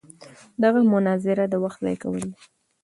دغه مناظره د وخت ضایع کول دي.